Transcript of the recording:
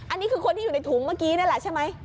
อันนี้คือคนที่อยู่ในถุงเมื่อกี้นั่นแหละใช่ไหม